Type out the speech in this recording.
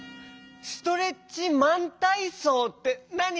「ストレッチマンたいそう」ってなに？